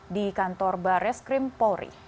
di kantor bares krim polri